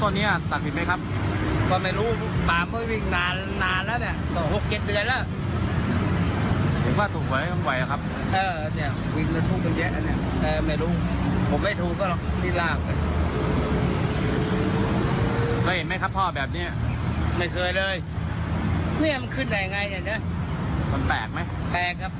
นี่มันขึ้นไหนไงเนี่ยมันแปลกไหมแปลกครับแปลก